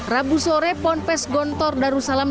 rabu sore ponpes gontor darussalam